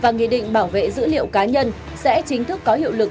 và nghị định bảo vệ dữ liệu cá nhân sẽ chính thức có hiệu lực